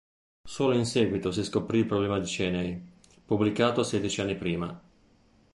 Solo in seguito si scoprì il problema di Cheney, pubblicato sedici anni prima.